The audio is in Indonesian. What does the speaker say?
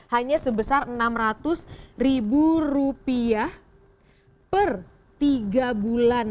hanya sebesar rp enam ratus ribu rupiah per tiga bulan